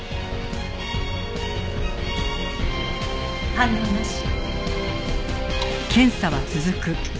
反応なし。